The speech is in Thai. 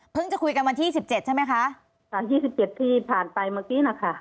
เพิ่งจะคุยกันวันที่ยี่สิบเจ็ดใช่ไหมคะอ่ายี่สิบเจ็ดที่ผ่านไปเมื่อกี้นะคะ